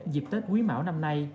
dịp tết quý mảo năm nay